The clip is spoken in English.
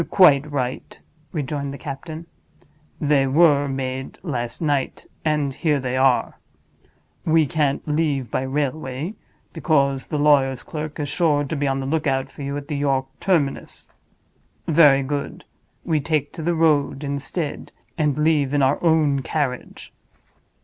"Quite right," rejoined the captain. "They were made last night; and here they are. We can't leave by railway, because the lawyer's clerk is sure to be on the lookout for you at the York terminus. Very good; we take to the road instead, and leave in our own carriage.